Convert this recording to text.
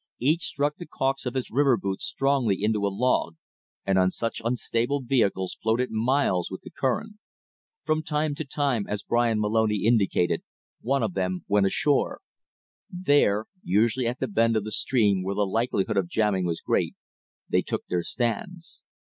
Each struck the caulks of his river boots strongly into a log, and on such unstable vehicles floated miles with the current. From time to time, as Bryan Moloney indicated, one of them went ashore. There, usually at a bend of the stream where the likelihood of jamming was great, they took their stands.